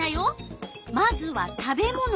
まずは「食べもの」。